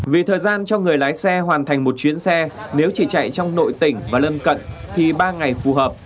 vì thời gian cho người lái xe hoàn thành một chuyến xe nếu chỉ chạy trong nội tỉnh và lân cận thì ba ngày phù hợp